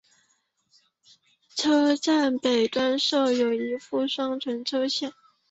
车站北端设有一副双存车线。